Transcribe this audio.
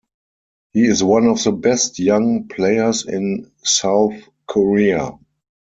He is one of the best young players in South Korea.